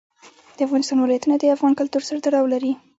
د افغانستان ولايتونه د افغان کلتور سره تړاو لري.